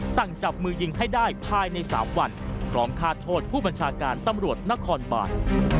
จับมือยิงให้ได้ภายใน๓วันพร้อมฆ่าโทษผู้บัญชาการตำรวจนครบาน